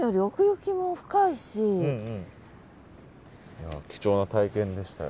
いや貴重な体験でしたよ。